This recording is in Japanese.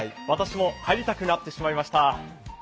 私も入りたくなってしまいました。